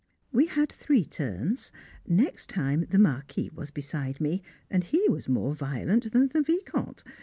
We had three turns; next time the Marquis was beside me, and he was more violent than the Vicomte.